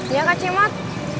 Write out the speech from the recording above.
iya kak cimot